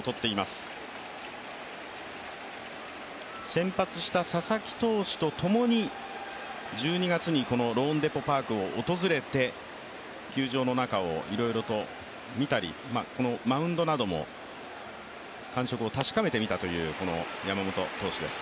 先発した佐々木投手とともに１２月にローンデポ・パークを訪れて球場の中をいろいろと見たり、このマウンドなども感触を確かめてみたというこの山本投手です。